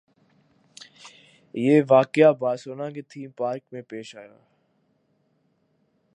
یہ واقعہ بارسلونا کے تھیم پارک میں پیش آیا